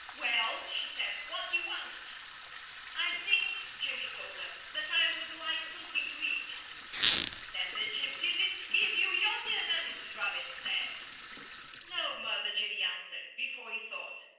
"Well," she said, "what do you want?" "I think," Jimmy told her, "that I would like something to eat." "Then the gypsies didn't give you your dinner," Mrs. Rabbit said. "No, Mother!" Jimmy answered, before he thought.